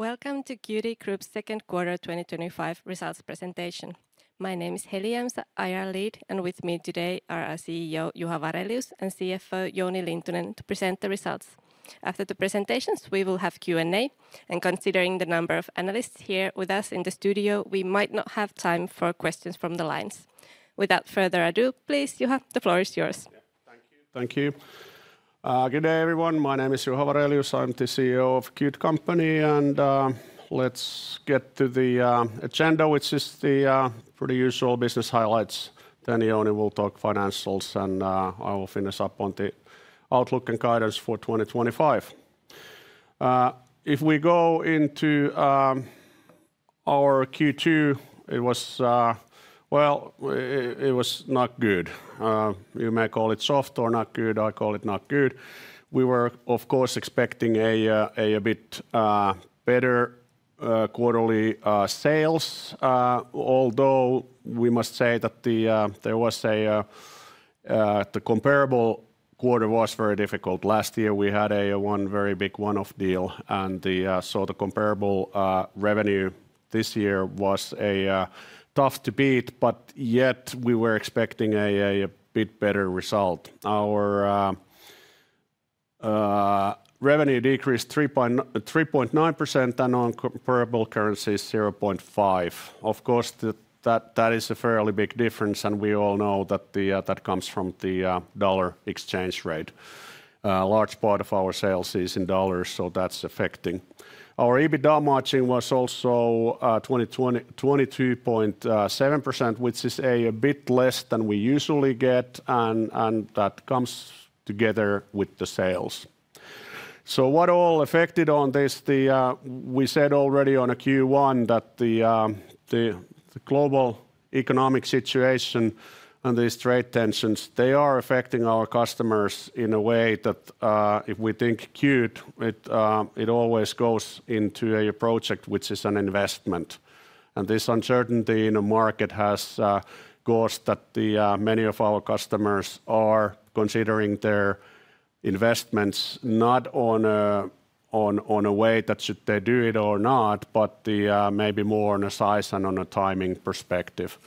Welcome to Qt Group's Second Quarter 2025 Results Presentation. My name is Heli Jämsä, IR Lead, and with me today are our CEO, Juha Varelius, and CFO, Jouni Lintunen, to present the results. After the presentations, we will have Q&A, and considering the number of analysts here with us in the studio, we might not have time for questions from the lines. Without further ado, please, Juha, the floor is yours. Thank you. Thank you. Good day, everyone. My name is Juha Varelius. I'm the CEO of Qt Company and let's get to the agenda, which is the pretty usual business highlights. Then Jouni will talk financials, and I will finish up on the outlook and guidance for 2025. If we go into our Q2, it was not good. You may call it soft or not good. I call it not good. We were, of course, expecting a bit better quarterly sales, although we must say that the comparable quarter was very difficult. Last year, we had a very big one-off deal, and so the comparable revenue this year was tough to beat, but yet we were expecting a bit better result. Our revenue decreased 3.9% and on comparable currency 0.5%. Of course, that is a fairly big difference, and we all know that that comes from the dollar exchange rate. A large part of our sales is in dollars, so that's affecting. Our EBITDA margin was also 22.7%, which is a bit less than we usually get, and that comes together with the sales. What all affected on this? We said already on Q1 that the global economic situation and these trade tensions, they are affecting our customers in a way that if we think Qt, it always goes into a project which is an investment. This uncertainty in the market has caused that many of our customers are considering their investments not on a way that should they do it or not, but maybe more on a size and on a timing perspective.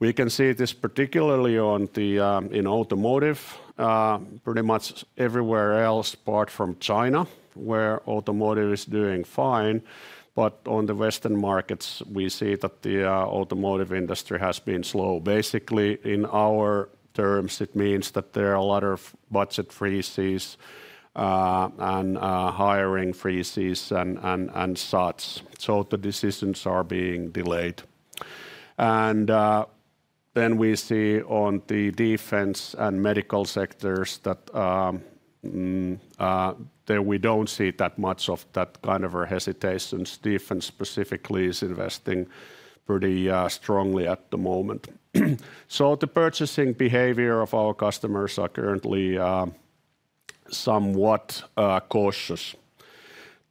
We can see this particularly in automotive, pretty much everywhere else apart from China, where automotive is doing fine. On the Western markets, we see that the automotive industry has been slow. Basically, in our terms, it means that there are a lot of budget freezes and hiring freezes and such. The decisions are being delayed. We see on the defense and medical sectors that we don't see that much of that kind of hesitation. Defense specifically is investing pretty strongly at the moment. The purchasing behavior of our customers is currently somewhat cautious.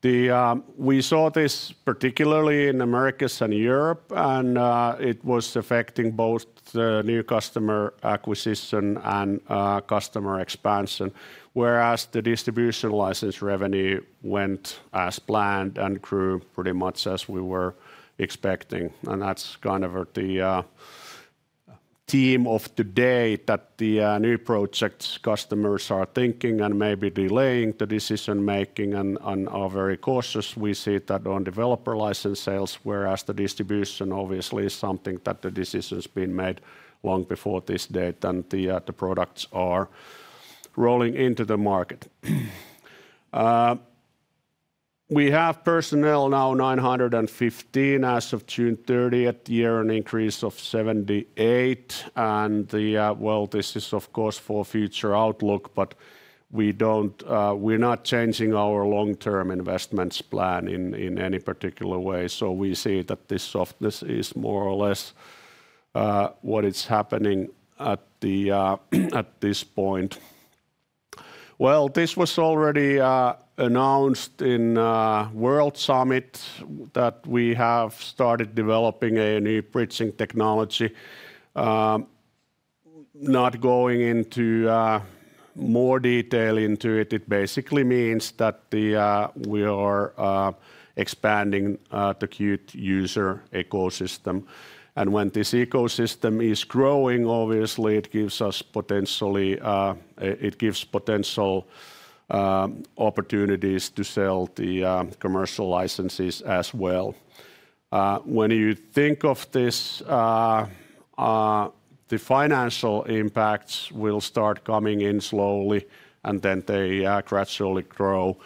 We saw this particularly in America and Europe, and it was affecting both the new customer acquisition and customer expansion, whereas the distribution license revenue went as planned and grew pretty much as we were expecting. That's kind of the theme of today that the new projects customers are thinking and maybe delaying the decision making and are very cautious. We see that on developer license sales, whereas the distribution obviously is something that the decision has been made long before this date, and the products are rolling into the market. We have personnel now 915 as of June 30th, year, an increase of 78. This is of course for future outlook, but we don't, we're not changing our long-term investments plan in any particular way. We see that this softness is more or less what is happening at this point. This was already announced in the World Summit that we have started developing a new bridging technology. Not going into more detail into it, it basically means that we are expanding the Qt user ecosystem. When this ecosystem is growing, obviously it gives us potential opportunities to sell the commercial licenses as well. When you think of this, the financial impacts will start coming in slowly and then they gradually grow.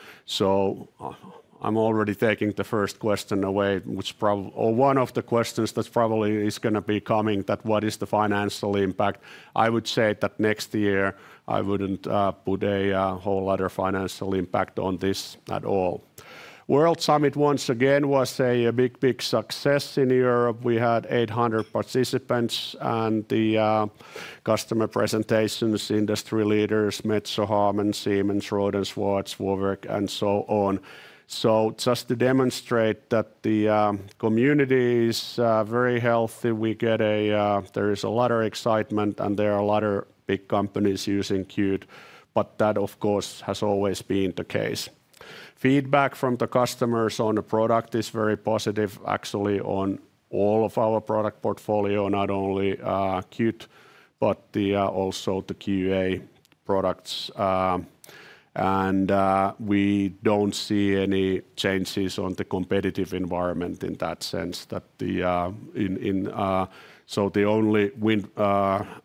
I'm already taking the first question away, which is probably one of the questions that probably is going to be coming, that what is the financial impact? I would say that next year I wouldn't put a whole lot of financial impact on this at all. World Summit once again was a big, big success in Europe. We had 800 participants and the customer presentations, industry leaders, Metso, Harman, Siemens, Rohde, Watts, Volvo, and so on. Just to demonstrate that the community is very healthy, we get a, there is a lot of excitement and there are a lot of big companies using Qt, but that of course has always been the case. Feedback from the customers on the product is very positive, actually on all of our product portfolio, not only Qt, but also the QA products. We don't see any changes on the competitive environment in that sense that the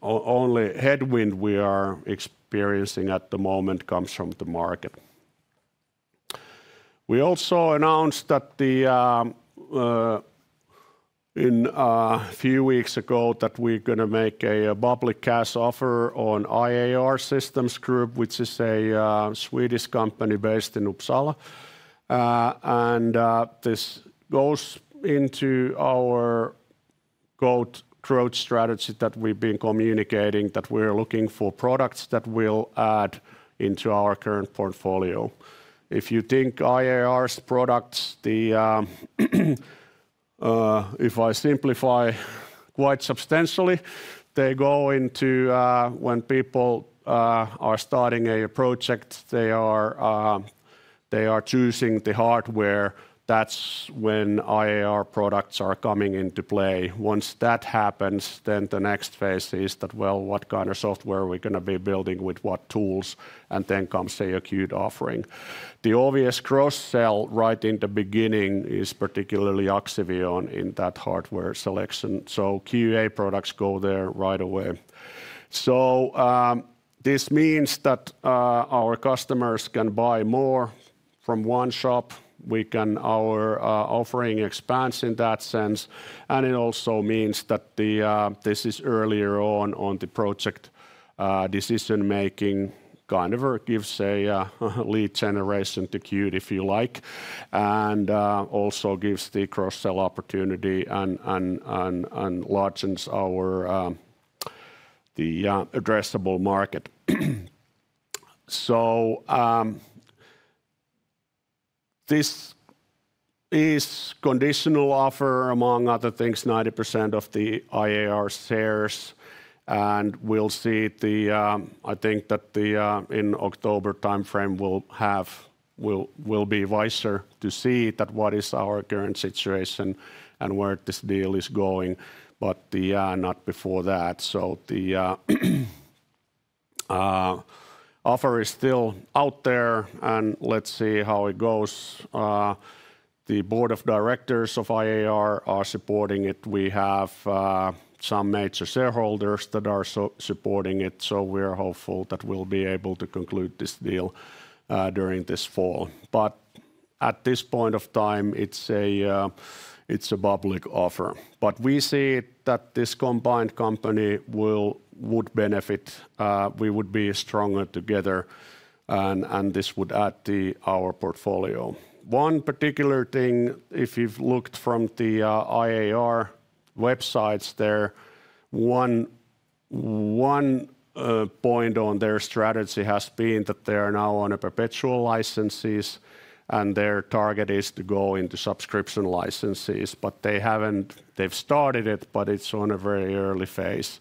only headwind we are experiencing at the moment comes from the market. We also announced a few weeks ago that we're going to make a public cash offer on IAR Systems Group, which is a Swedish company based in Uppsala. This goes into our growth strategy that we've been communicating, that we're looking for products that will add into our current portfolio. If you think IAR's products, if I simplify quite substantially, they go into, when people are starting a project, they are choosing the hardware. That's when IAR products are coming into play. Once that happens, then the next phase is that, what kind of software are we going to be building with what tools? Then comes a Qt offering. The obvious cross-sell right in the beginning is particularly Axivion in that hardware selection. QA products go there right away. This means that our customers can buy more from one shop. Our offering expands in that sense. It also means that this is earlier on in the project decision making, kind of gives a lead generation to Qt, if you like, and also gives the cross-sell opportunity and enlarges our addressable market. This is a conditional offer, among other things, 90% of the IAR shares. We'll see, I think that in the October timeframe, we'll be wiser to see what is our current situation and where this deal is going, but not before that. The offer is still out there, and let's see how it goes. The Board of Directors of IAR are supporting it. We have some major shareholders that are supporting it. We're hopeful that we'll be able to conclude this deal during this fall. At this point of time, it's a public offer. We see that this combined company would benefit. We would be stronger together, and this would add to our portfolio. One particular thing, if you've looked from the IAR websites, one point on their strategy has been that they are now on a perpetual license, and their target is to go into subscription licenses. They've started it, but it's in a very early phase.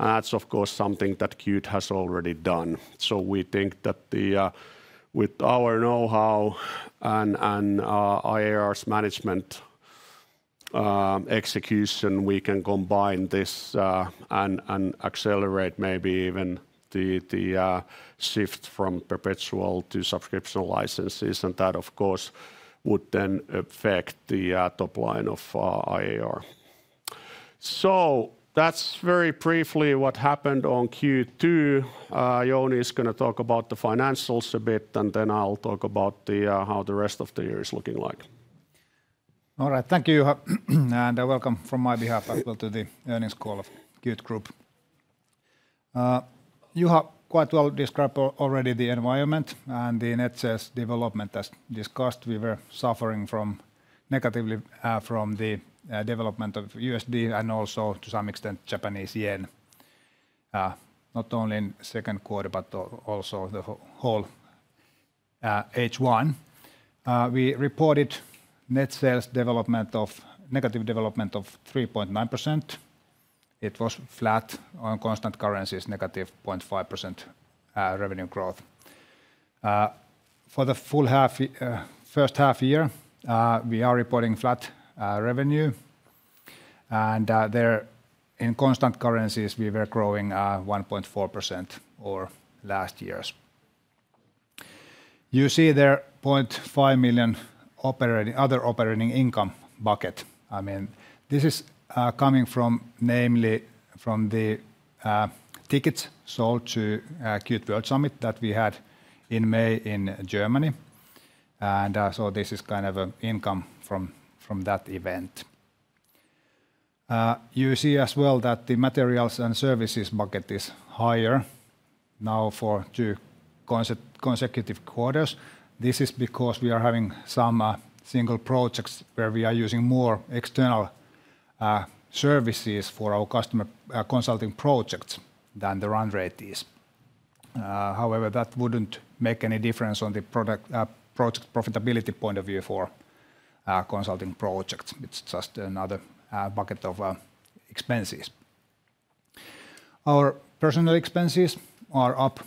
That's, of course, something that Qt has already done. We think that with our know-how and IAR's management execution, we can combine this and accelerate maybe even the shift from perpetual to subscription licenses. That, of course, would then affect the top line of IAR. That's very briefly what happened on Q2. Jouni is going to talk about the financials a bit, and then I'll talk about how the rest of the year is looking like. All right. Thank you, Juha. Welcome from my behalf as well to the earnings call of Qt Group. Juha quite well described already the environment and the net sales development as discussed. We were suffering negatively from the development of USD and also, to some extent, Japanese yen, not only in the second quarter, but also the whole H1. We reported net sales development of negative 3.9%. It was flat on constant currencies, -0.5% revenue growth. For the full first half year, we are reporting flat revenue. There in constant currencies, we were growing 1.4% over last year. You see there are 0.5 million other operating income buckets. I mean, this is coming namely from the tickets sold to World Summit that we had in May in Germany. This is kind of an income from that event. You see as well that the materials and services bucket is higher now for two consecutive quarters. This is because we are having some single projects where we are using more external services for our customer consulting projects than the run rate is. However, that would not make any difference on the project profitability point of view for consulting projects. It is just another bucket of expenses. Our personnel expenses are up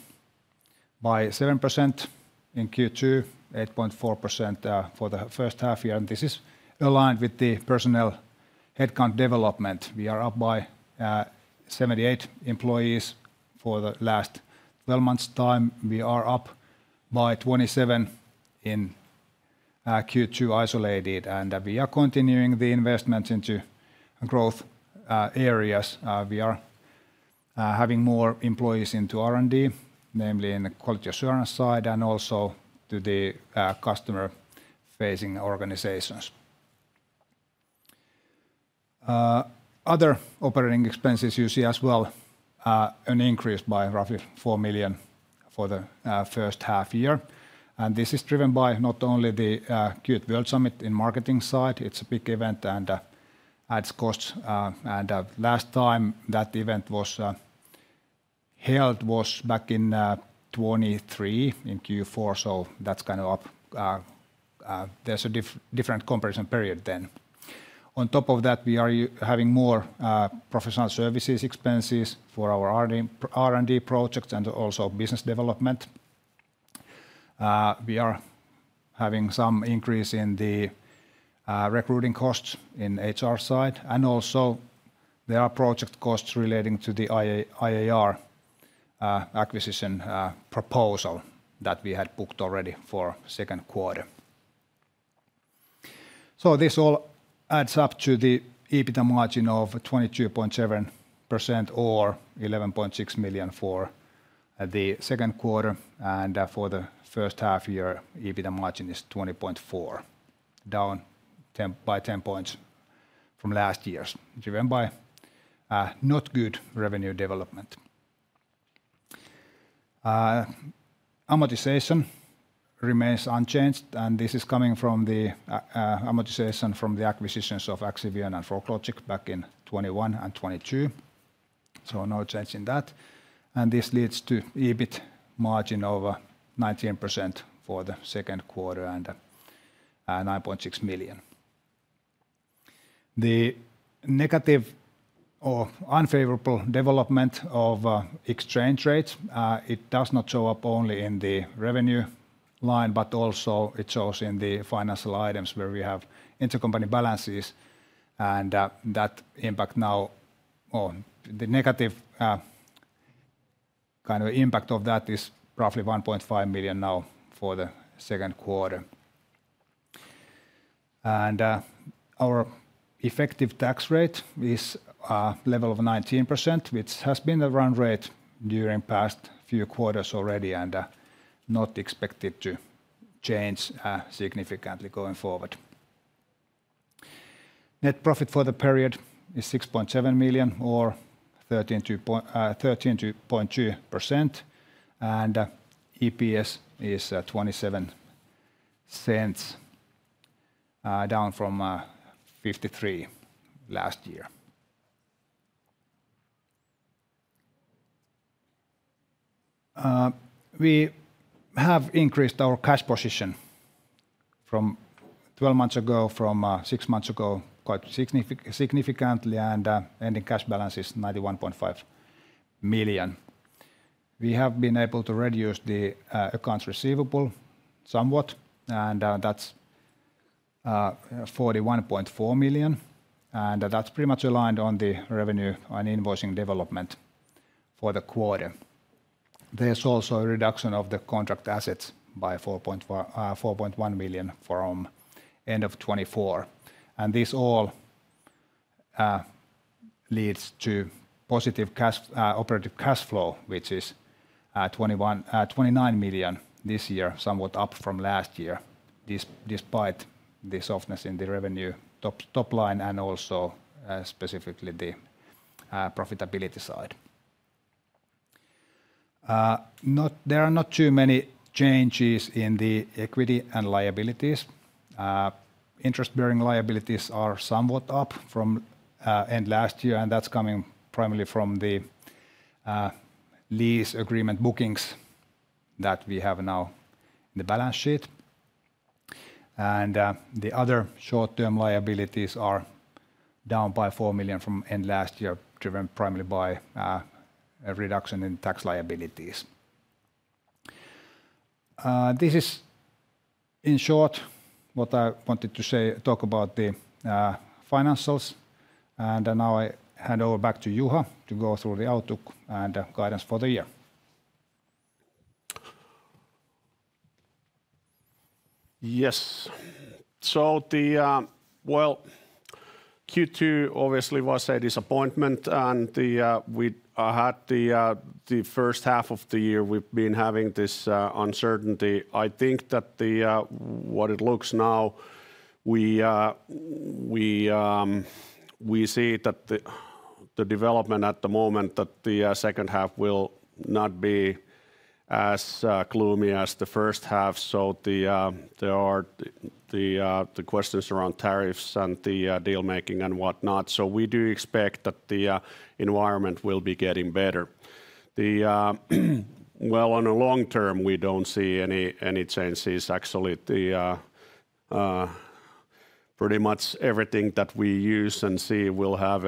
by 7% in Q2, 8.4% for the first half year. This is aligned with the personnel headcount development. We are up by 78 employees for the last 12 months' time. We are up by 27 in Q2 isolated. We are continuing the investments into growth areas. We are having more employees into R&D, namely in the quality assurance side and also to the customer-facing organizations. Other operating expenses you see as well are an increase by roughly 4 million for the first half year. This is driven by not only the Qt World Summit in the marketing side. It is a big event and adds costs. The last time that event was held was back in 2023, in Q4. That is kind of up. There is a different comparison period then. On top of that, we are having more professional services expenses for our R&D projects and also business development. We are having some increase in the recruiting costs in the HR side. There are project costs relating to the IAR acquisition proposal that we had booked already for the second quarter. This all adds up to the EBITDA margin of 22.7% or 11.6 million for the second quarter. For the first half year, EBITDA margin is 20.4%, down by 10 points from last year's, driven by not good revenue development. Amortization remains unchanged. This is coming from the amortization from the acquisitions of Axivion and Froglogic back in 2021 and 2022. No change in that. This leads to EBIT margin over 19% for the second quarter and 9.6 million. The negative or unfavorable development of exchange rates does not show up only in the revenue line, but also shows in the financial items where we have intercompany balances. The impact now, the negative kind of impact of that, is roughly 1.5 million now for the second quarter. Our effective tax rate is at a level of 19%, which has been the run rate during the past few quarters already and is not expected to change significantly going forward. Net profit for the period is 6.7 million or 13.2%. EPS is 0.27, down from 0.53 last year. We have increased our cash position from 12 months ago and from six months ago, quite significantly. The ending cash balance is 91.5 million. We have been able to reduce the accounts receivable somewhat, and that's 41.4 million. That's pretty much aligned on the revenue and invoicing development for the quarter. There's also a reduction of the contract assets by 4.1 million from the end of 2024. This all leads to positive operating cash flow, which is 29 million this year, somewhat up from last year, despite the softness in the revenue top line and also specifically the profitability side. There are not too many changes in the equity and liabilities. Interest-bearing liabilities are somewhat up from the end of last year, and that's coming primarily from the lease agreement bookings that we have now in the balance sheet. The other short-term liabilities are down by 4 million from the end of last year, driven primarily by a reduction in tax liabilities. This is, in short, what I wanted to talk about regarding the financials. Now I hand over back to Juha to go through the outlook and guidance for the year. Yes. Q2 obviously was a disappointment. The first half of the year, we've been having this uncertainty. I think that what it looks now, we see that the development at the moment, that the second half will not be as gloomy as the first half. There are the questions around tariffs and the deal-making and whatnot. We do expect that the environment will be getting better. On the long term, we don't see any changes. Actually, pretty much everything that we use and see will have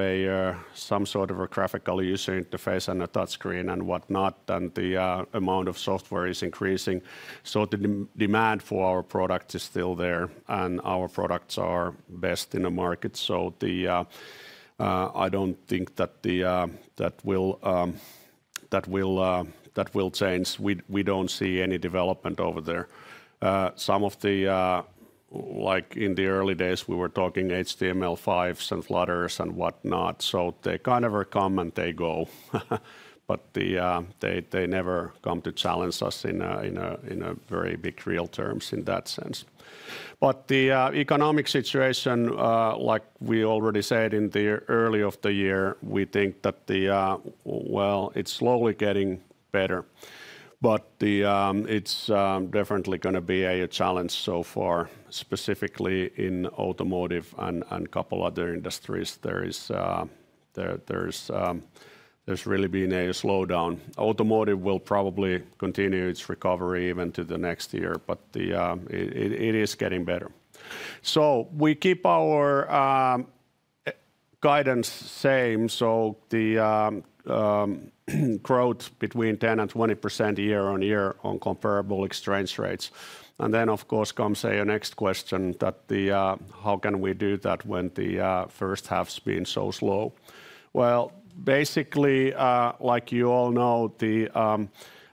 some sort of a graphical user interface and a touchscreen and whatnot. The amount of software is increasing. The demand for our product is still there, and our products are best in the market. I don't think that that will change. We don't see any development over there. Some of the, like in the early days, we were talking HTML5s and Flutters and whatnot. They kind of come and they go, but they never come to challenge us in very big real terms in that sense. The economic situation, like we already said in the early of the year, we think that it's slowly getting better. It's definitely going to be a challenge so far, specifically in automotive and a couple of other industries. There's really been a slowdown. Automotive will probably continue its recovery even to the next year, but it is getting better. We keep our guidance same. The growth between 10% and 20% year-on-year on comparable exchange rates. Of course, comes the next question that how can we do that when the first half has been so slow? Basically, like you all know,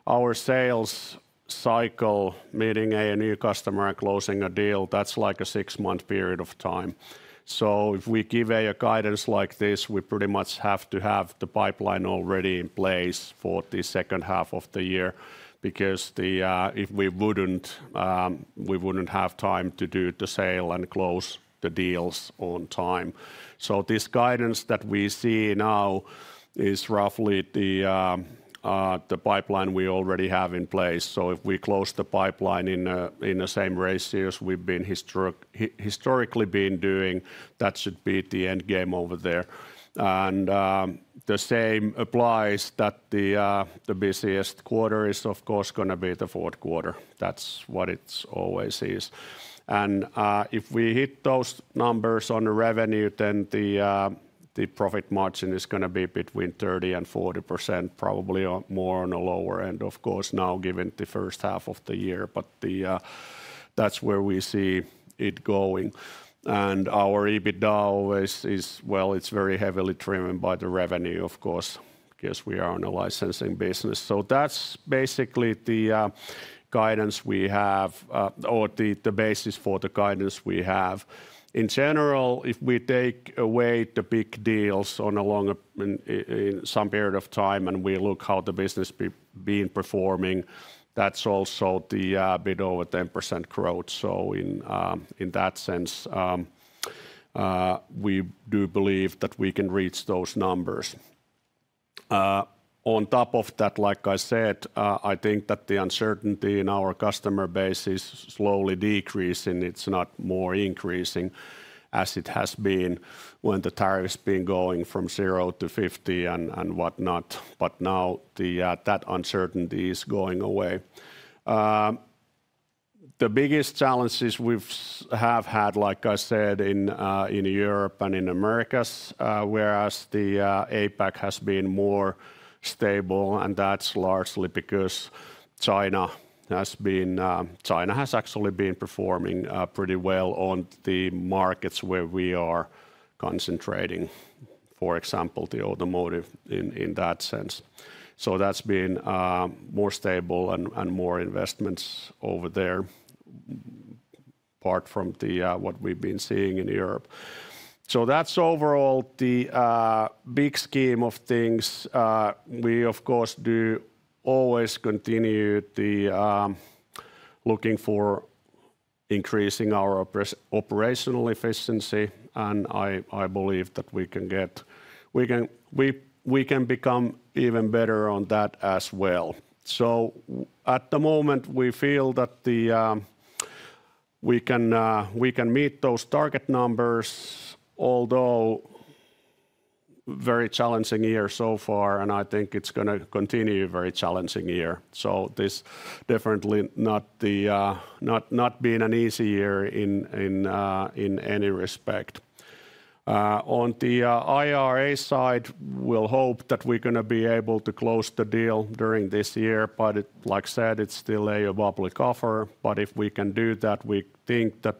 our sales cycle, meeting a new customer and closing a deal, that's like a six-month period of time. If we give a guidance like this, we pretty much have to have the pipeline already in place for the second half of the year because if we wouldn't, we wouldn't have time to do the sale and close the deals on time. This guidance that we see now is roughly the pipeline we already have in place. If we close the pipeline in the same ratios we've been historically doing, that should be the end game over there. The same applies that the busiest quarter is, of course, going to be the fourth quarter. That's what it always is. If we hit those numbers on the revenue, then the profit margin is going to be between 30 and 40%, probably more on the lower end, of course, now given the first half of the year. That's where we see it going. Our EBITDA always is, well, it's very heavily driven by the revenue, of course, because we are in a licensing business. That's basically the guidance we have or the basis for the guidance we have. In general, if we take away the big deals in some period of time and we look at how the business has been performing, that's also a bit over 10% growth. In that sense, we do believe that we can reach those numbers. On top of that, like I said, I think that the uncertainty in our customer base is slowly decreasing. It's not more increasing as it has been when the tariffs have been going from 0 to 50 and whatnot. Now that uncertainty is going away. The biggest challenges we have had, like I said, in Europe and in the Americas, whereas the APAC has been more stable, and that's largely because China has actually been performing pretty well on the markets where we are concentrating, for example, the automotive in that sense. That's been more stable and more investments over there, apart from what we've been seeing in Europe. That's overall the big scheme of things. We, of course, do always continue looking for increasing our operational efficiency. I believe that we can become even better on that as well. At the moment, we feel that we can meet those target numbers, although a very challenging year so far, and I think it's going to continue a very challenging year. This definitely has not been an easy year in any respect. On the IAR side, we'll hope that we're going to be able to close the deal during this year. Like I said, it's still a public offer. If we can do that, we think that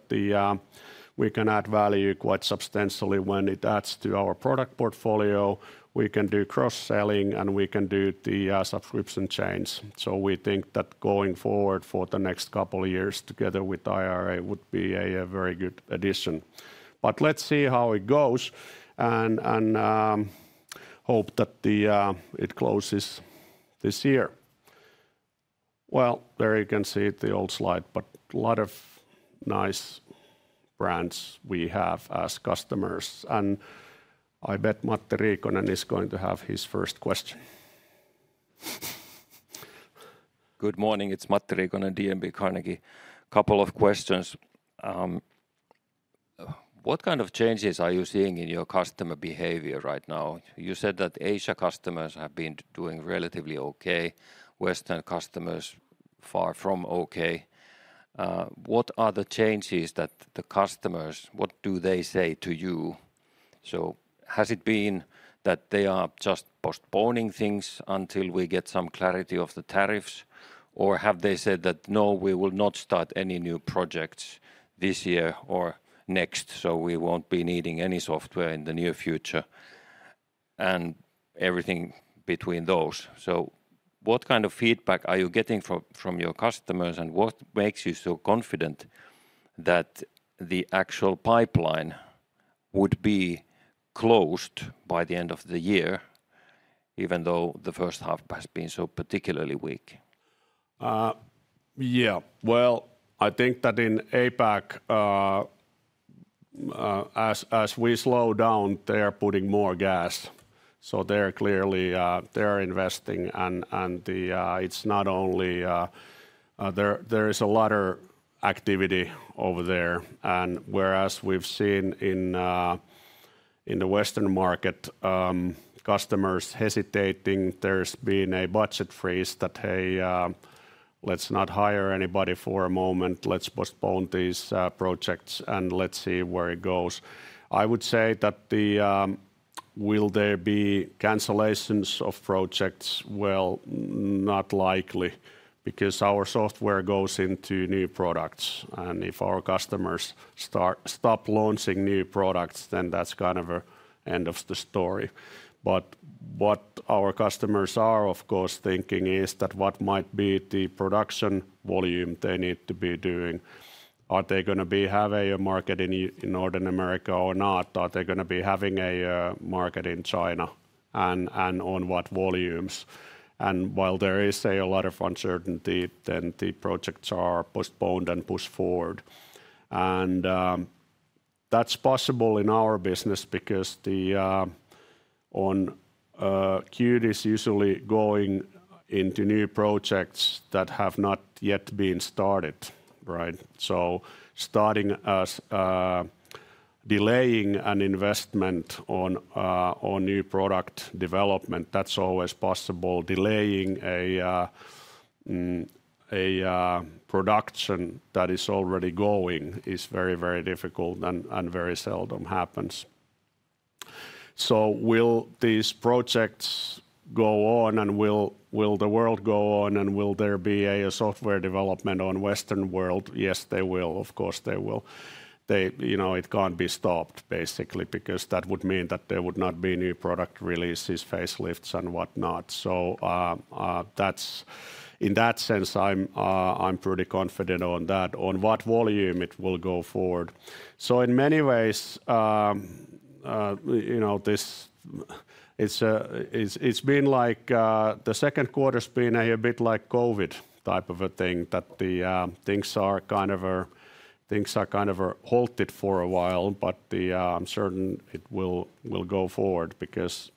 we can add value quite substantially when it adds to our product portfolio. We can do cross-selling and we can do the subscription chains. We think that going forward for the next couple of years together with IAR would be a very good addition. Let's see how it goes and hope that it closes this year. There you can see the old slide, but a lot of nice brands we have as customers. I bet Matti Riikonen is going to have his first question. Good morning. It's Matti Riikonen, DNB Carnegie. A couple of questions. What kind of changes are you seeing in your customer behavior right now? You said that Asia customers have been doing relatively okay, Western customers far from okay. What are the changes that the customers, what do they say to you? Has it been that they are just postponing things until we get some clarity of the tariffs? Have they said that, no, we will not start any new projects this year or next, so we won't be needing any software in the near future? Everything between those. What kind of feedback are you getting from your customers? What makes you so confident that the actual pipeline would be closed by the end of the year, even though the first half has been so particularly weak? I think that in APAC, as we slow down, they're putting more gas. They're clearly investing, and it's not only there is a lot of activity over there. Whereas we've seen in the Western market customers hesitating, there's been a budget freeze that, hey, let's not hire anybody for a moment, let's postpone these projects, and let's see where it goes. I would say that will there be cancellations of projects? Not likely because our software goes into new products, and if our customers stop launching new products, then that's kind of the end of the story. What our customers are, of course, thinking is what might be the production volume they need to be doing. Are they going to have a market in North America or not? Are they going to be having a market in China, and on what volumes? While there is a lot of uncertainty, the projects are postponed and pushed forward. That's possible in our business because Qt is usually going into new projects that have not yet been started, right? Delaying an investment on new product development is always possible. Delaying a production that is already going is very, very difficult and very seldom happens. Will these projects go on and will the world go on and will there be a software development in the Western world? Yes, they will. Of course, they will. It can't be stopped, basically, because that would mean that there would not be new product releases, facelifts, and whatnot. In that sense, I'm pretty confident on that, on what volume it will go forward. In many ways, it's been like the second quarter has been a bit like a COVID type of a thing, that things are kind of halted for a while. I'm certain it will go forward because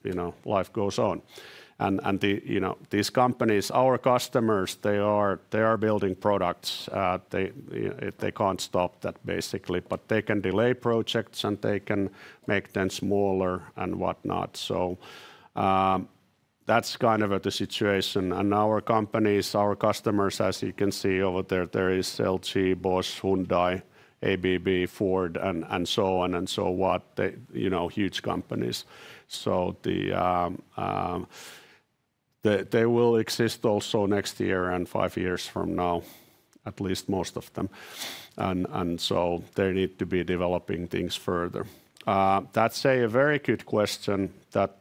life goes on, and these companies, our customers, they are building products. They can't stop that, basically, but they can delay projects and they can make them smaller and whatnot. That's kind of the situation. Our companies, our customers, as you can see over there, there is LG, Bosch, Hyundai, ABB, Ford, and so on and so what, huge companies. They will exist also next year and five years from now, at least most of them, and so they need to be developing things further. That's a very good question that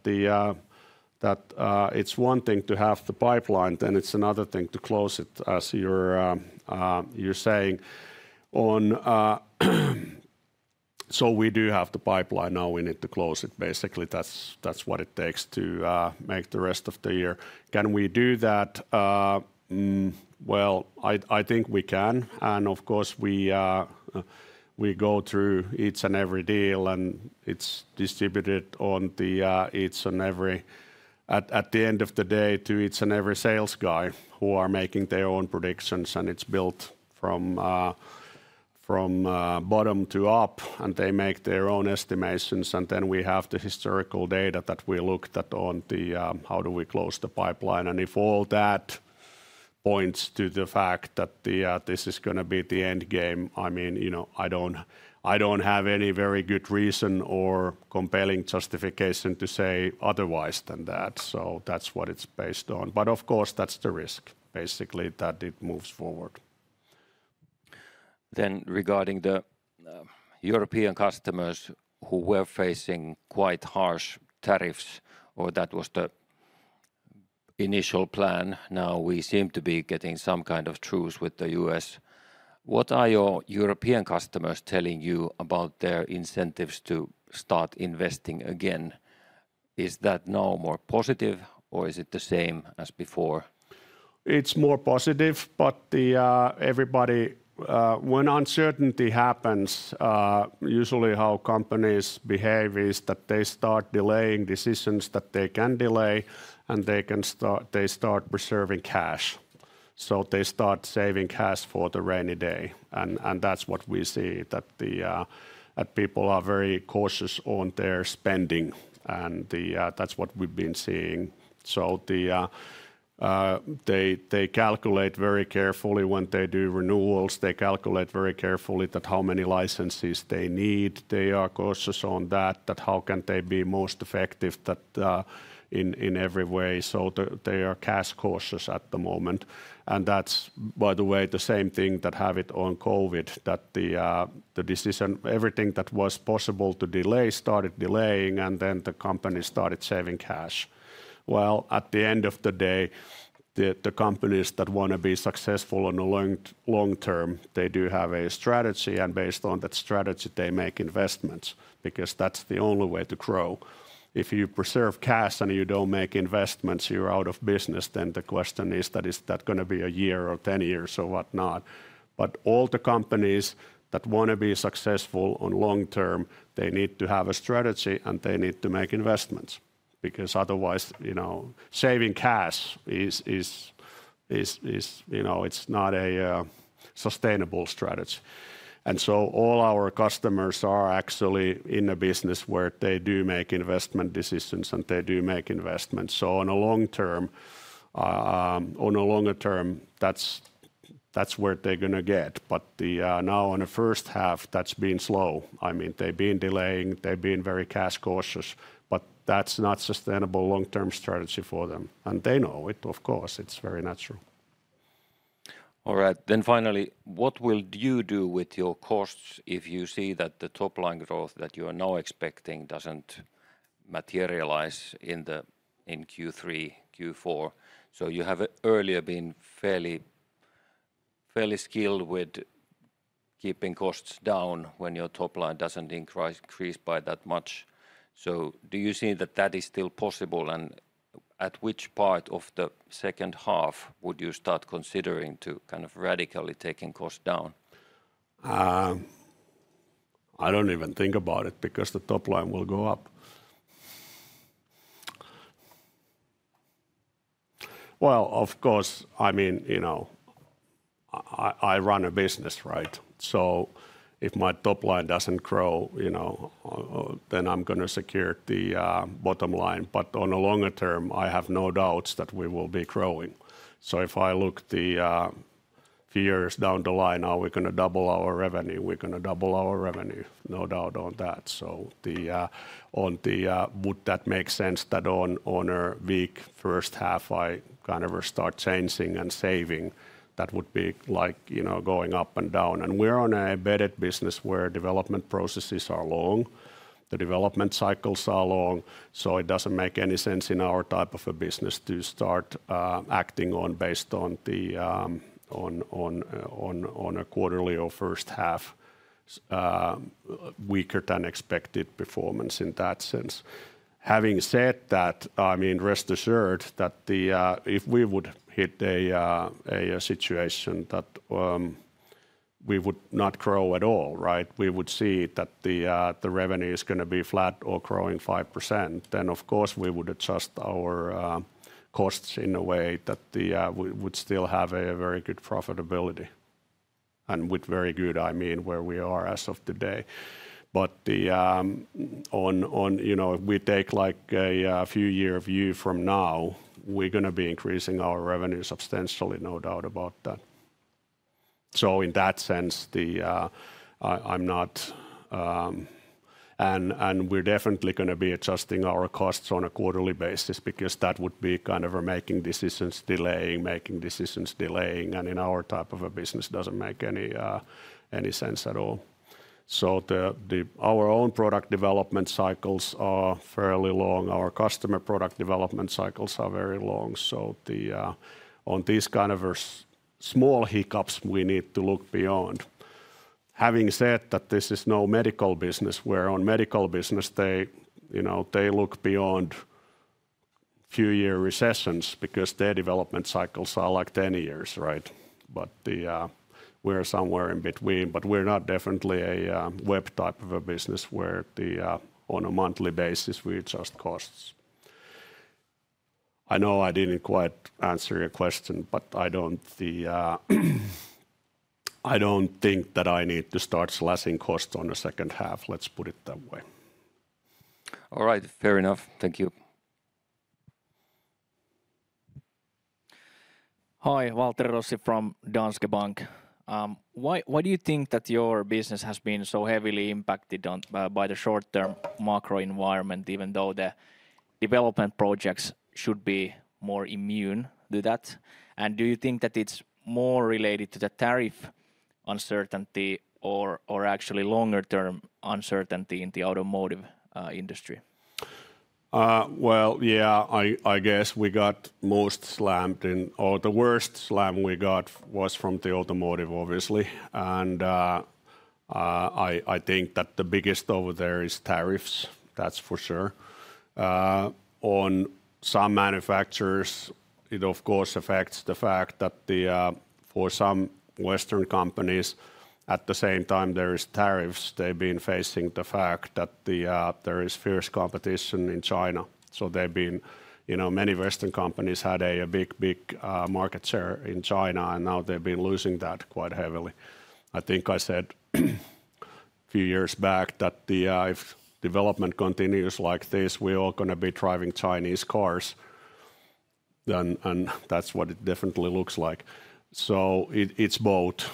it's one thing to have the pipeline, then it's another thing to close it, as you're saying. We do have the pipeline now. We need to close it, basically. That's what it takes to make the rest of the year. I think we can. Of course, we go through each and every deal, and it's distributed on each and every, at the end of the day, to each and every sales guy who are making their own predictions. It's built from bottom to up, and they make their own estimations. Then we have the historical data that we looked at on how do we close the pipeline. If all that points to the fact that this is going to be the end game, I mean, you know I don't have any very good reason or compelling justification to say otherwise than that. That's what it's based on. Of course, that's the risk, basically, that it moves forward. Regarding the European customers who were facing quite harsh tariffs, or that was the initial plan. Now we seem to be getting some kind of truth with the U.S. What are your European customers telling you about their incentives to start investing again? Is that now more positive or is it the same as before? It's more positive, but when uncertainty happens, usually how companies behave is that they start delaying decisions that they can delay, and they start reserving cash. They start saving cash for the rainy day. That's what we see, that people are very cautious on their spending. That's what we've been seeing. They calculate very carefully when they do renewals. They calculate very carefully how many licenses they need. They are cautious on that, how can they be most effective in every way. They are cash cautious at the moment. By the way, the same thing happened during COVID, that the decision, everything that was possible to delay, started delaying, and the company started saving cash. At the end of the day, the companies that want to be successful in the long term do have a strategy. Based on that strategy, they make investments because that's the only way to grow. If you preserve cash and you don't make investments, you're out of business. The question is, is that going to be a year or 10 years or whatnot? All the companies that want to be successful in the long term need to have a strategy, and they need to make investments because otherwise, saving cash is not a sustainable strategy. All our customers are actually in a business where they do make investment decisions and they do make investments. On the long term, that's where they're going to get. Now, in the first half, that's been slow. They've been delaying. They've been very cash cautious, but that's not a sustainable long-term strategy for them, and they know it, of course. It's very natural. All right. Finally, what will you do with your costs if you see that the top line growth that you are now expecting doesn't materialize in Q3, Q4? You have earlier been fairly skilled with keeping costs down when your top line doesn't increase by that much. Do you see that that is still possible? At which part of the second half would you start considering to kind of radically taking costs down? I don't even think about it because the top line will go up. Of course, I mean, you know, I run a business, right? If my top line doesn't grow, you know, then I'm going to secure the bottom line. On the longer term, I have no doubts that we will be growing. If I look at the years down the line, are we going to double our revenue? We're going to double our revenue, no doubt on that. On the book, that makes sense that on a weak first half, I kind of start changing and saving. That would be like, you know, going up and down. We're on an embedded business where development processes are long. The development cycles are long. It doesn't make any sense in our type of a business to start acting based on a quarterly or first half weaker than expected performance in that sense. Having said that, rest assured that if we would hit a situation that we would not grow at all, right? We would see that the revenue is going to be flat or growing 5%. Of course, we would adjust our costs in a way that we would still have a very good profitability. With very good, I mean where we are as of today. If we take like a few-year view from now, we're going to be increasing our revenue substantially, no doubt about that. In that sense, I'm not, and we're definitely going to be adjusting our costs on a quarterly basis because that would be kind of making decisions, delaying, making decisions, delaying. In our type of a business, it doesn't make any sense at all. Our own product development cycles are fairly long. Our customer product development cycles are very long. On these kind of small hiccups, we need to look beyond. Having said that, this is no medical business, where on medical business, they look beyond a few-year recessions because their development cycles are like 10 years, right? We're somewhere in between. We're not definitely a web type of a business where on a monthly basis, we adjust costs. I know I didn't quite answer your question, but I don't think that I need to start slashing costs on the second half. Let's put it that way. All right. Fair enough. Thank you. Hi, Waltteri Rossi from Danske Bank. Why do you think that your business has been so heavily impacted by the short-term macro environment, even though the development projects should be more immune to that? Do you think that it's more related to the tariff uncertainty or actually longer-term uncertainty in the automotive industry? Yeah, I guess we got most slammed. The worst slam we got was from the automotive, obviously. I think that the biggest over there is tariffs, that's for sure. On some manufacturers, it, of course, affects the fact that for some Western companies, at the same time, there are tariffs. They've been facing the fact that there is fierce competition in China. Many Western companies had a big, big market share in China, and now they've been losing that quite heavily. I think I said a few years back that if development continues like this, we're all going to be driving Chinese cars. That's what it definitely looks like. It's both.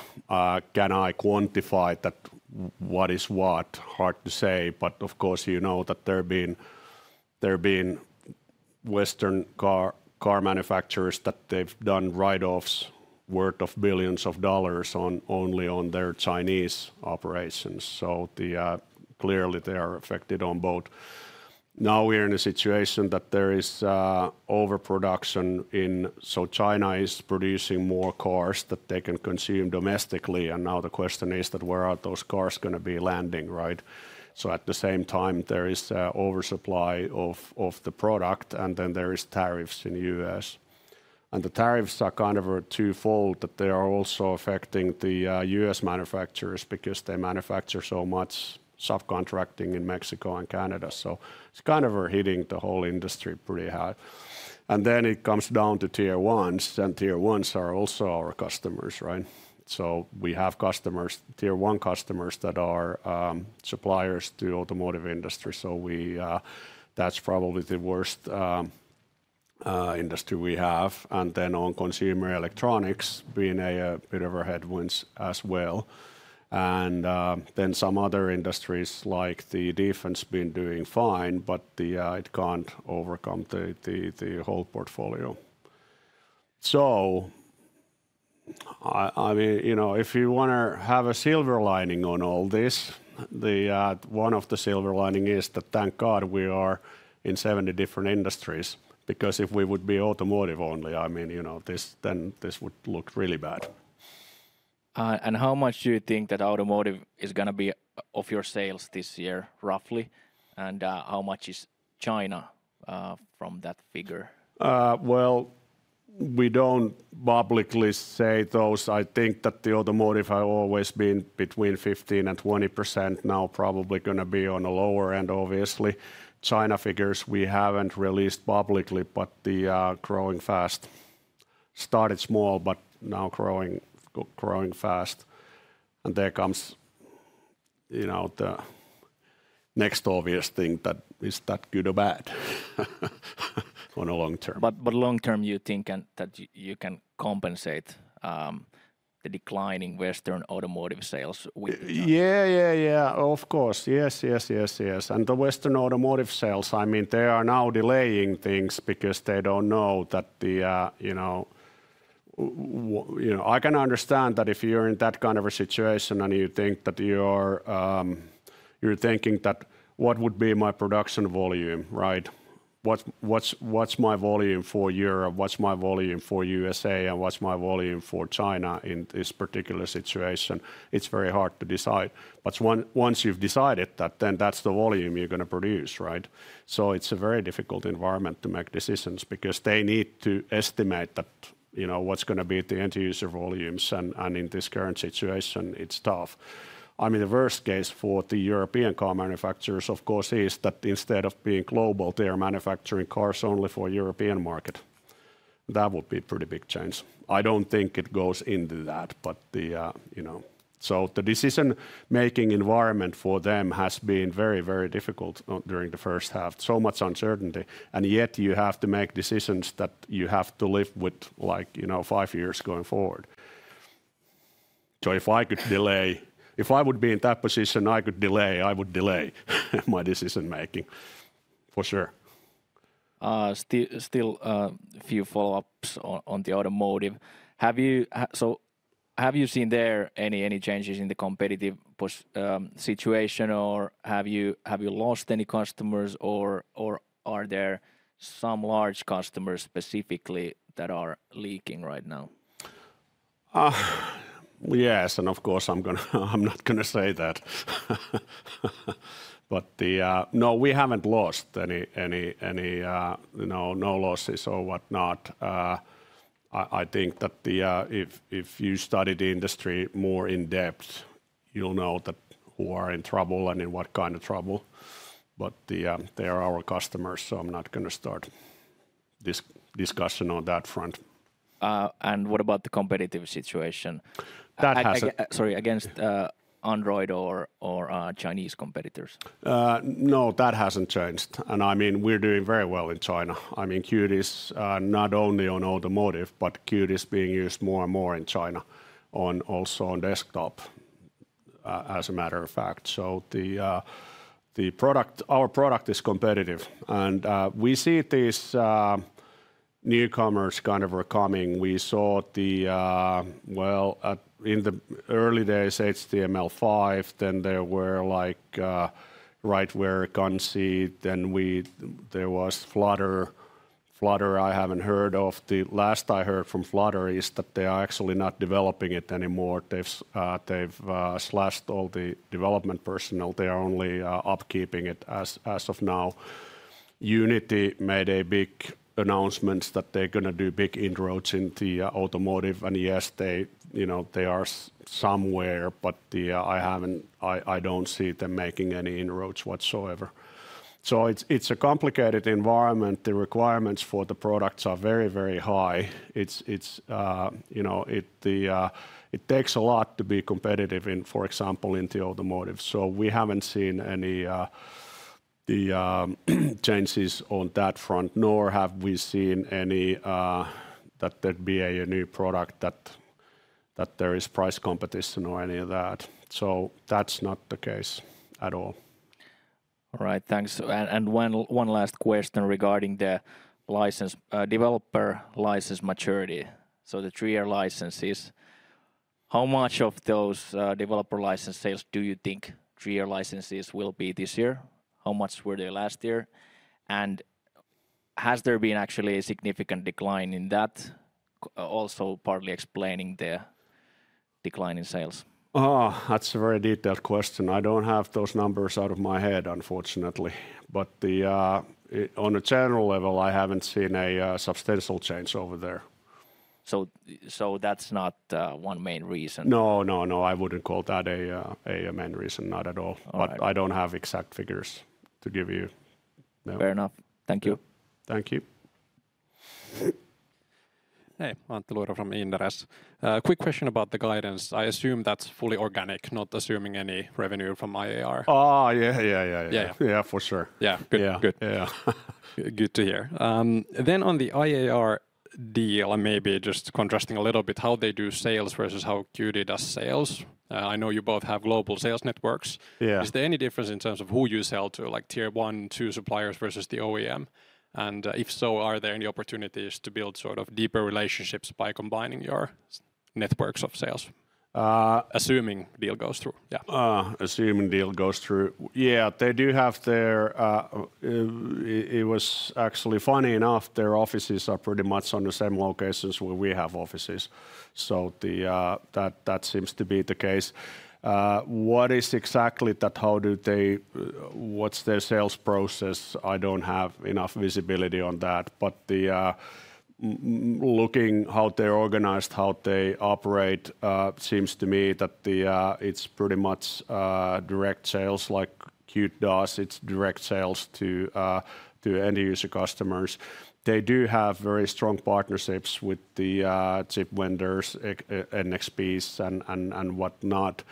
Can I quantify that what is what? Hard to say. Of course, you know that there have been Western car manufacturers that they've done write-offs worth of billions of dollars only on their Chinese operations. Clearly, they are affected on both. Now we're in a situation that there is overproduction in. China is producing more cars than they can consume domestically. Now the question is that where are those cars going to be landing, right? At the same time, there is an oversupply of the product, and then there are tariffs in the U.S. The tariffs are kind of two-fold, that they are also affecting the U.S. manufacturers because they manufacture so much subcontracting in Mexico and Canada. It's kind of hitting the whole industry pretty hard. It comes down to tier ones. Tier ones are also our customers, right? We have customers, tier one customers that are suppliers to the automotive industry. That's probably the worst industry we have. On consumer electronics, being a bit of a headwind as well. Some other industries like the defense have been doing fine, but it can't overcome the whole portfolio. If you want to have a silver lining on all this, one of the silver linings is that thank God we are in 70 different industries because if we would be automotive only, I mean, you know, then this would look really bad. How much do you think that automotive is going to be of your sales this year, roughly? How much is China from that figure? I think that the automotive has always been between 15% and 20%. Now probably going to be on the lower end, obviously. China figures we haven't released publicly, but they are growing fast. Started small, but now growing fast. There comes, you know, the next obvious thing that is that good or bad on the long term. Long term, you think that you can compensate the declining Western automotive sales? Yes, of course. The Western automotive sales are now delaying things because they don't know that, you know, I can understand that if you're in that kind of a situation and you're thinking, what would be my production volume, right? What's my volume for Europe? What's my volume for USA? What's my volume for China in this particular situation? It's very hard to decide. Once you've decided that, then that's the volume you're going to produce, right? It's a very difficult environment to make decisions because they need to estimate what's going to be the end-user volumes. In this current situation, it's tough. The worst case for the European car manufacturers, of course, is that instead of being global, they are manufacturing cars only for the European market. That would be a pretty big change. I don't think it goes into that, but the decision-making environment for them has been very, very difficult during the first half. So much uncertainty. Yet you have to make decisions that you have to live with, like five years going forward. If I could delay, if I would be in that position, I could delay, I would delay my decision-making for sure. Still, a few follow-ups on the automotive. Have you, have you seen there any changes in the competitive situation? or have you lost any customers? or are there some large customers specifically that are leaking right now? Yes, of course, I'm not going to say that. No, we haven't lost any, you know, no losses or whatnot. I think that if you study the industry more in depth, you'll know who are in trouble and in what kind of trouble. They are our customers, so I'm not going to start this discussion on that front. What about the competitive situation? That hasn't. Sorry, against Android or Chinese competitors? No, that hasn't changed. I mean, we're doing very well in China. Qt is not only on automotive, but Qt is being used more and more in China, also on desktop, as a matter of fact. Our product is competitive, and we see these newcomers kind of are coming. In the early days, HTML5, then there were like [Writeware], [Gunsi], then there was Flutter. Flutter, I haven't heard of. The last I heard from Flutter is that they are actually not developing it anymore. They've slashed all the development personnel. They are only upkeeping it as of now. Unity made a big announcement that they're going to do big inroads into automotive. Yes, they are somewhere, but I don't see them making any inroads whatsoever. It's a complicated environment. The requirements for the products are very, very high. It takes a lot to be competitive in, for example, into automotive. We haven't seen any changes on that front, nor have we seen any that there'd be a new product, that there is price competition or any of that. That's not the case at all. All right, thanks. One last question regarding the developer license maturity. The three-year licenses, how much of those developer license sales do you think three-year licenses will be this year? How much were they last year? Has there been actually a significant decline in that, also partly explaining the decline in sales? That's a very detailed question. I don't have those numbers out of my head, unfortunately. On a general level, I haven't seen a substantial change over there. That's not one main reason? No, I wouldn't call that a main reason, not at all. I don't have exact figures to give you. Fair enough. Thank you. Thank you. Hey, Antti Luiro from Inderes. Quick question about the guidance. I assume that's fully organic, not assuming any revenue from IAR. Yeah, for sure. Yeah, good. Yeah. Good to hear. On the IAR, maybe just contrasting a little bit how they do sales versus how Qt Group does sales. I know you both have global sales networks. Yeah. Is there any difference in terms of who you sell to, like tier one, two suppliers versus the OEM? If so, are there any opportunities to build sort of deeper relationships by combining your networks of sales, assuming the deal goes through, yeah. Assuming the deal goes through? Yeah, they do have their, it was actually funny enough, their offices are pretty much in the same locations where we have offices. That seems to be the case. What is exactly that? How do they, what's their sales process? I don't have enough visibility on that. Looking at how they're organized, how they operate, it seems to me that it's pretty much direct sales, like Qt does. It's direct sales to end-user customers. They do have very strong partnerships with the chip vendors, NXPs, and whatnot.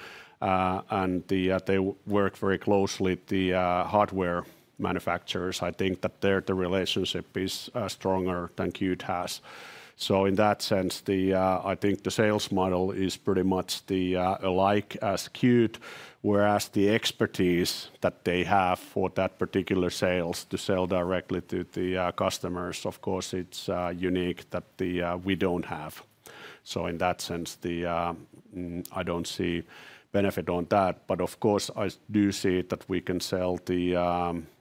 They work very closely with the hardware manufacturers. I think that their relationship is stronger than Qt has. In that sense, I think the sales model is pretty much alike as Qt, whereas the expertise that they have for that particular sales to sell directly to the customers, of course, it's unique that we don't have. In that sense, I don't see benefit on that. Of course, I do see that we can sell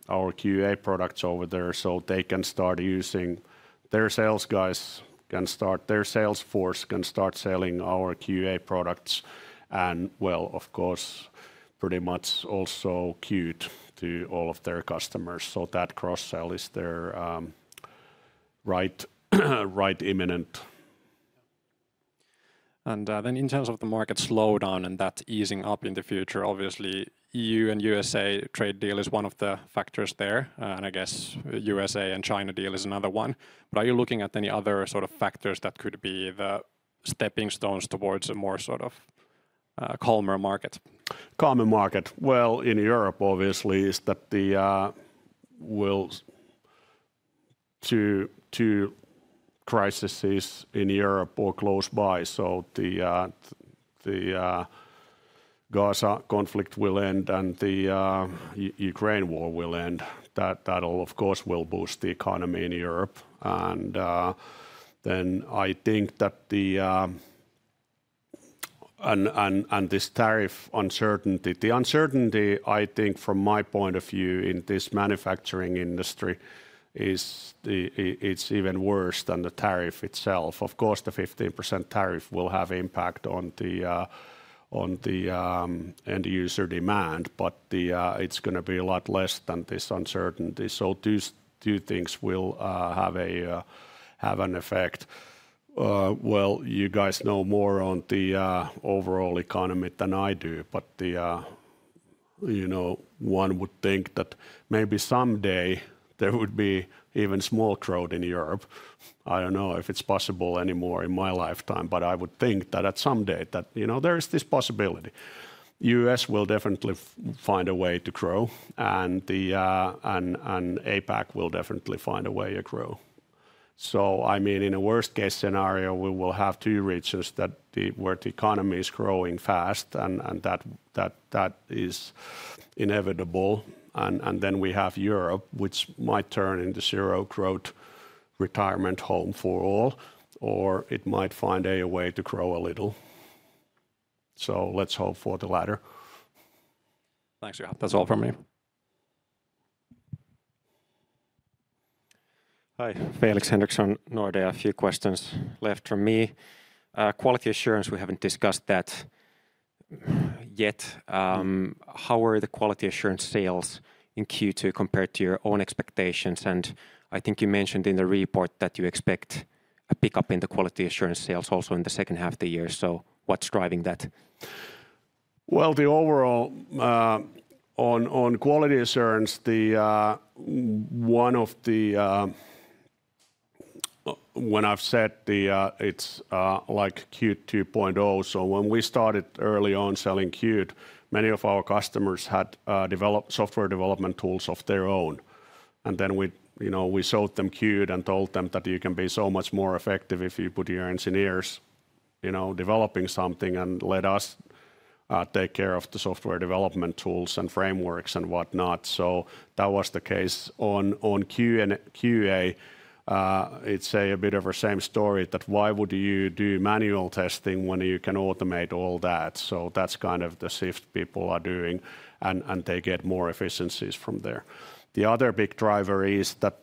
our QA products over there so they can start using their sales guys, can start their sales force, can start selling our QA products. Pretty much also Qt to all of their customers. That cross-sell is there right imminent. In terms of the market slowdown and that easing up in the future, obviously EU and U.S.A. trade deal is one of the factors there. I guess the U.S.A. and China deal is another one. Are you looking at any other sort of factors that could be the stepping stones towards a more sort of calmer market? In Europe, obviously, there are two crises in Europe that are close by. The Gaza conflict will end and the Ukraine war will end. That will, of course, boost the economy in Europe. I think that the tariff uncertainty, the uncertainty from my point of view in this manufacturing industry, is even worse than the tariff itself. Of course, the 15% tariff will have impact on the end-user demand, but it's going to be a lot less than this uncertainty. Two things will have an effect. You guys know more on the overall economy than I do, but you know one would think that maybe someday there would be even a small growth in Europe. I don't know if it's possible anymore in my lifetime, but I would think that at someday there is this possibility. The U.S. will definitely find a way to grow and APAC will definitely find a way to grow. I mean, in a worst-case scenario, we will have two regions where the economy is growing fast and that is inevitable. Then we have Europe, which might turn into zero growth retirement home for all, or it might find a way to grow a little. Let's hope for the latter. Thanks for your help. That's all for me. Hi, Felix Henriksson Nordea, a few questions left from me. Quality assurance, we haven't discussed that yet. How are the quality assurance sales in Q2 compared to your own expectations? I think you mentioned in the report that you expect a pickup in the quality assurance sales also in the second half of the year. What's driving that? On quality assurance, one of the, when I've said it's like Qt 2.0. When we started early on selling Qt, many of our customers had developed software development tools of their own. Then we showed them Qt and told them that you can be so much more effective if you put your engineers developing something and let us take care of the software development tools and frameworks and whatnot. That was the case. On QA, it's a bit of the same story that why would you do manual testing when you can automate all that? That's kind of the shift people are doing and they get more efficiencies from there. The other big driver is the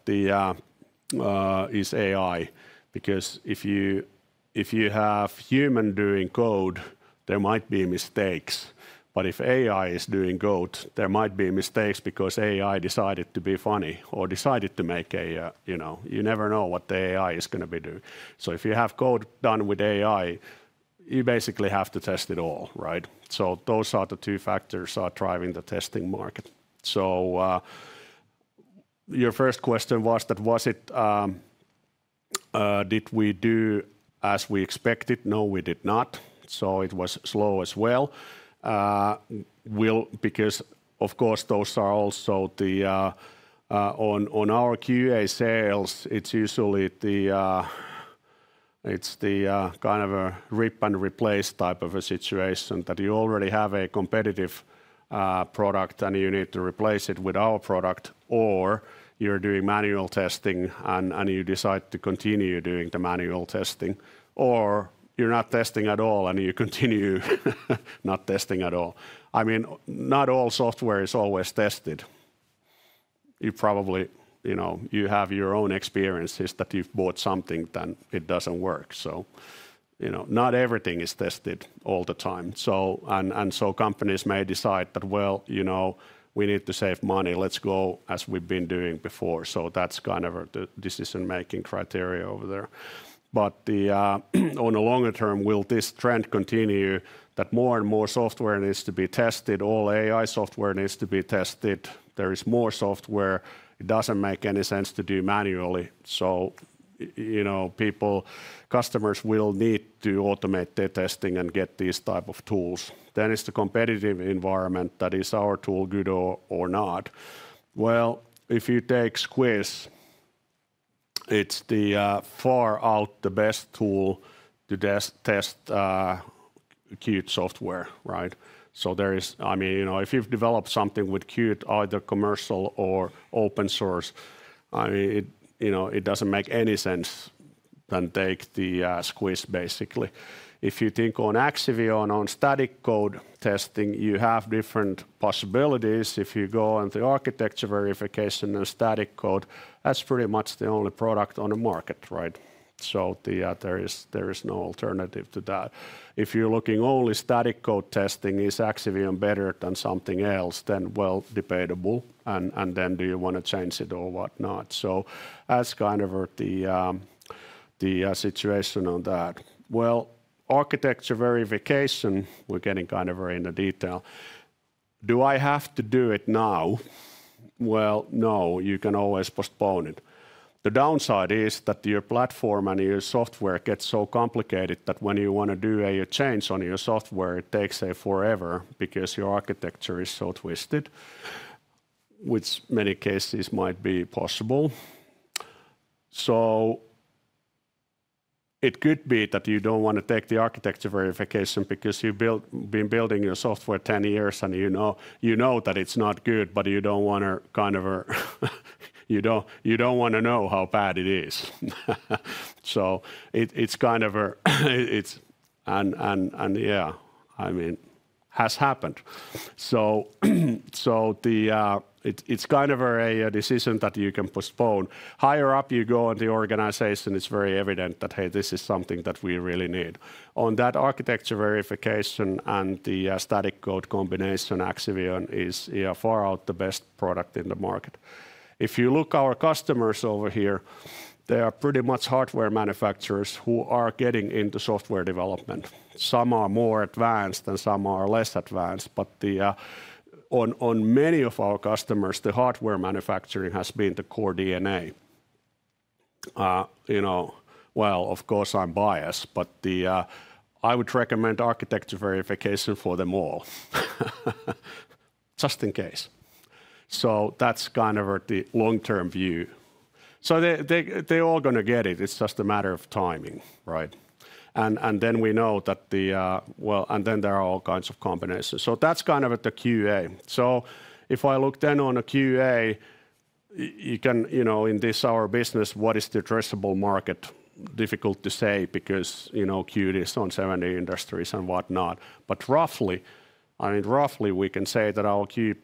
AI because if you have humans doing code, there might be mistakes. If AI is doing code, there might be mistakes because AI decided to be funny or decided to make a, you know, you never know what the AI is going to be doing. If you have code done with AI, you basically have to test it all, right? Those are the two factors that are driving the testing market. Your first question was did we do as we expected? No, we did not. It was slow as well. Of course, on our QA sales, it's usually the kind of a rip and replace type of situation that you already have a competitive product and you need to replace it with our product. Or you're doing manual testing and you decide to continue doing the manual testing. Or you're not testing at all and you continue not testing at all. Not all software is always tested. You probably have your own experiences that you've bought something and it doesn't work. Not everything is tested all the time. Companies may decide that, well, we need to save money. Let's go as we've been doing before. That's kind of a decision-making criteria over there. On the longer term, will this trend continue that more and more software needs to be tested? All AI software needs to be tested. There is more software. It doesn't make any sense to do manually. Customers will need to automate their testing and get these types of tools. It's the competitive environment that is our tool good or not. If you take Squish, it's far out the best tool to test Qt software, right? If you've developed something with Qt, either commercial or open source, it doesn't make any sense to take the Squish, basically. If you think on Axivion on static code testing, you have different possibilities. If you go into architecture verification and static code, that's pretty much the only product on the market, right? There is no alternative to that. If you're looking only at static code testing, is Axivion better than something else? Then, debatable. Do you want to change it or whatnot? That's kind of the situation on that. Architecture verification, we're getting kind of in the detail. Do I have to do it now? No, you can always postpone it. The downside is that your platform and your software get so complicated that when you want to do a change on your software, it takes forever because your architecture is so twisted, which in many cases might be possible. It could be that you don't want to take the architecture verification because you've been building your software 10 years and you know that it's not good, but you don't want to know how bad it is. It has happened. It's kind of a decision that you can postpone. Higher up you go in the organization, it's very evident that, hey, this is something that we really need. On that architecture verification and the static code combination, Axivion is far out the best product in the market. If you look at our customers over here, they are pretty much hardware manufacturers who are getting into software development. Some are more advanced and some are less advanced. On many of our customers, the hardware manufacturing has been the core DNA. Of course, I'm biased, but I would recommend architecture verification for them all, just in case. That's kind of the long-term view. They're all going to get it. It's just a matter of timing, right? We know that there are all kinds of combinations. That's kind of the QA. If I look then on a QA, you can, in this, our business, what is the addressable market? Difficult to say because, you know, Qt is on 70 industries and whatnot. Roughly, we can say that our QA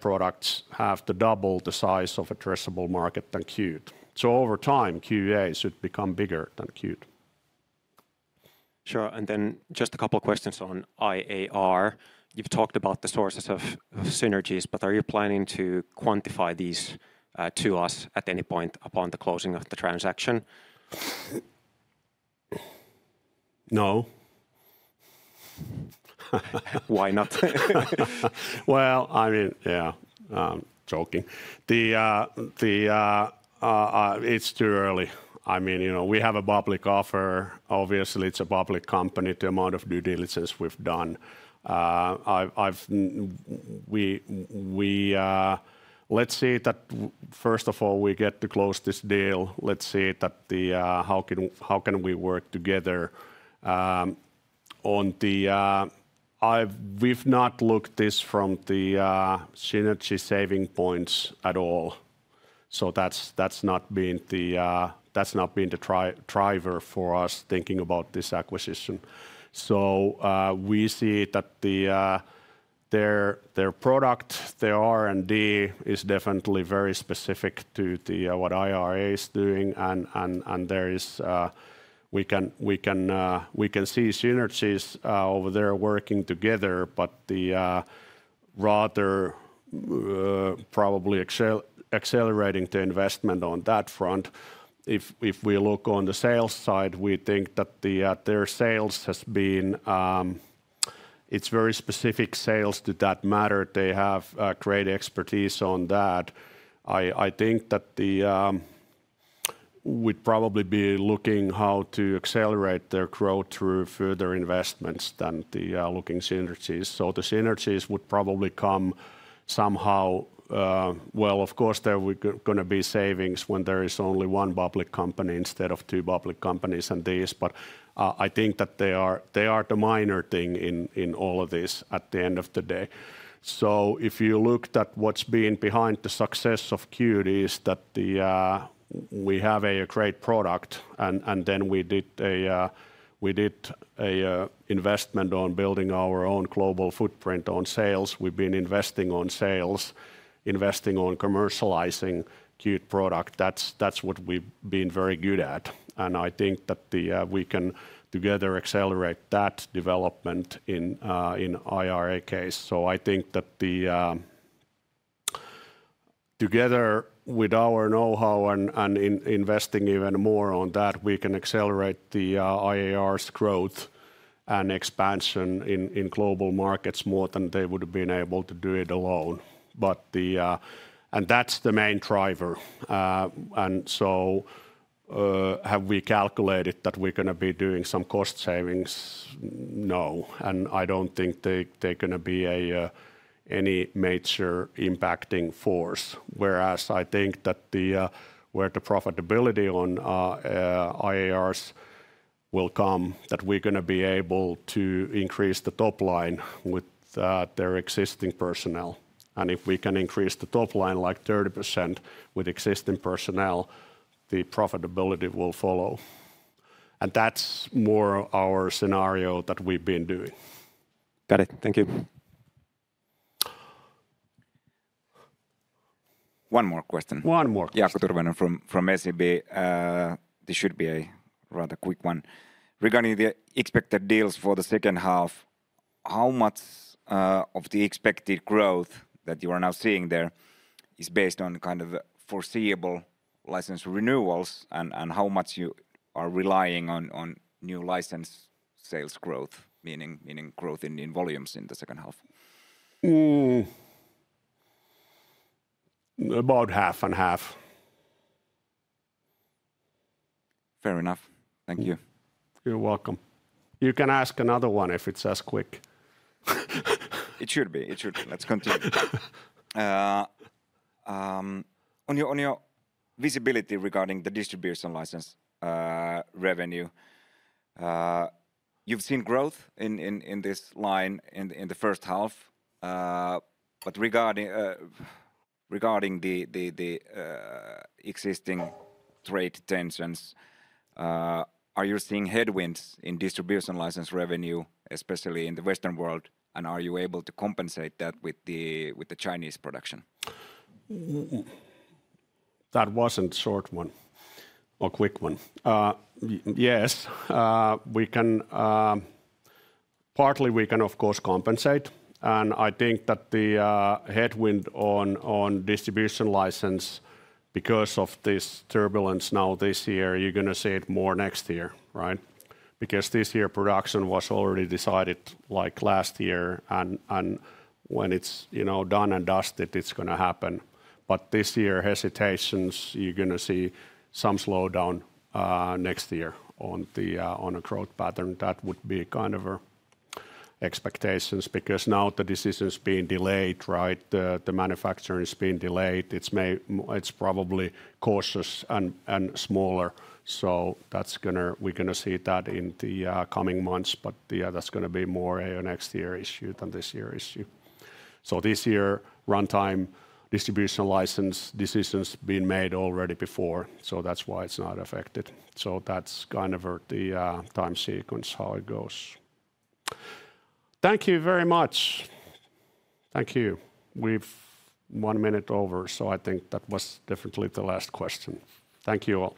products have double the size of addressable market than Qt. Over time, QA should become bigger than Qt. Sure. Just a couple of questions on IAR. You've talked about the sources of synergies, but are you planning to quantify these to us at any point upon the closing of the transaction? No. Why not? It's too early. I mean, you know, we have a public offer. Obviously, it's a public company, the amount of due diligence we've done. Let's see that, first of all, we get to close this deal. Let's see how we can work together. We've not looked at this from the synergy saving points at all. That's not been the driver for us thinking about this acquisition. We see that their product, their R&D is definitely very specific to what IAR is doing. We can see synergies over there working together, but rather probably accelerating the investment on that front. If we look on the sales side, we think that their sales has been, it's very specific sales to that matter. They have great expertise on that. I think that we'd probably be looking at how to accelerate their growth through further investments than looking at synergies. The synergies would probably come somehow. Of course, there are going to be savings when there is only one public company instead of two public companies in this. I think that they are the minor thing in all of this at the end of the day. If you look at what's been behind the success of Qt, we have a great product and then we did an investment on building our own global footprint on sales. We've been investing on sales, investing on commercializing Qt product. That's what we've been very good at. I think that we can together accelerate that development in IAR case. I think that together with our know-how and investing even more on that, we can accelerate the IAR's growth and expansion in global markets more than they would have been able to do it alone. That's the main driver. Have we calculated that we're going to be doing some cost savings? No. I don't think they're going to be any major impacting force. I think that where the profitability on IARs will come, we're going to be able to increase the top line with their existing personnel. If we can increase the top line like 30% with existing personnel, the profitability will follow. That's more our scenario that we've been doing. Got it. Thank you. One more question. One more. Jaakko Tyrväinen from SEB. This should be a rather quick one. Regarding the expected deals for the second half, how much of the expected growth that you are now seeing there is based on kind of foreseeable license renewals, and how much you are relying on new license sales growth, meaning growth in volumes in the second half? About half and half. Fair enough. Thank you. You're welcome. You can ask another one if it's as quick. Let's continue. On your visibility regarding the distribution license revenue, you've seen growth in this line in the first half. Regarding the existing trade tensions, are you seeing headwinds in distribution license revenue, especially in the Western world? Are you able to compensate that with the Chinese production? That wasn't a short one or a quick one. Yes, we can partly, we can, of course, compensate. I think that the headwind on distribution license, because of this turbulence now this year, you're going to see it more next year, right? This year, production was already decided last year. When it's done and dusted, it's going to happen. This year, hesitations, you're going to see some slowdown next year on the growth pattern. That would be kind of expectations because now the decision's being delayed, right? The manufacturing's being delayed. It's probably cautious and smaller. We're going to see that in the coming months. That's going to be more a next year issue than this year issue. This year, runtime, distribution license decisions have been made already before. That's why it's not affected. That's kind of the time sequence, how it goes. Thank you very much. Thank you. We're one minute over. I think that was definitely the last question. Thank you all.